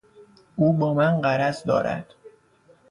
او با من غرض دارد.